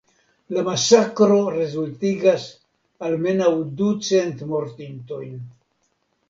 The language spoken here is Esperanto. La masakro rezultigas almenaŭ du cent mortintojn.